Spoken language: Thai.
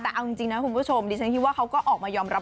แต่เอาจริงคุณผู้ชมว่าจะเลิกไปแล้วก็ช่วยได้